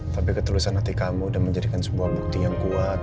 tapi ketulusan hati kamu dan menjadikan sebuah bukti yang kuat